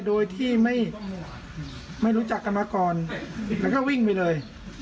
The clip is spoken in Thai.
โดยที่ไม่รู้จักกันมาก่อนแล้วก็วิ่งไปเลย